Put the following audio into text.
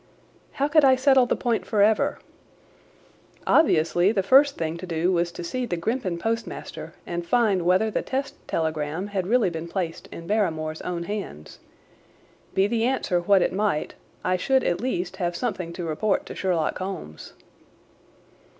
How could I settle the point forever? Obviously the first thing to do was to see the Grimpen postmaster and find whether the test telegram had really been placed in Barrymore's own hands. Be the answer what it might, I should at least have something to report to Sherlock Holmes.